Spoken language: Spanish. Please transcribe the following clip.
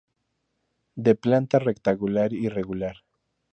De planta rectangular irregular.